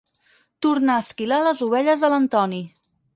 Torna a esquilar les ovelles de l'Antoni.